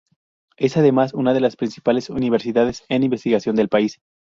Es además una de las principales universidades en investigación del país.